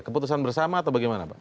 keputusan bersama atau bagaimana pak